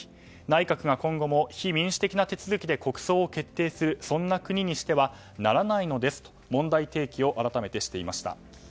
内閣が今後も非民主的な手続きで国葬を決定するそんな国にしてはならないのですと問題提起を改めてしていました。